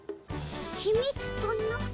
ひみつとな？